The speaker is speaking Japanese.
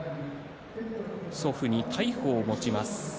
祖父に大鵬を持ちます。